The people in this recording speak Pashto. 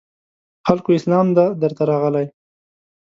خلکو اسلام دی درته راغلی